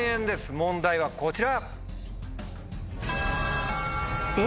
問題はこちら。